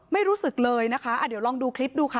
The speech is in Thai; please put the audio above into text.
ไม่รู้สึกเลยนะคะเดี๋ยวลองดูคลิปดูค่ะ